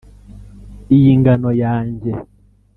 Iyi ngano yanjye,